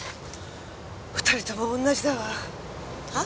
２人とも同じだわ。は？